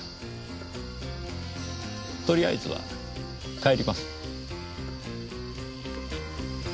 とりあえずは帰ります。